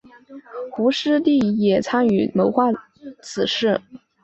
卢师谛也参与谋划此事。